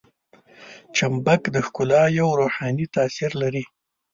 چمبک د ښکلا یو روحاني تاثیر لري.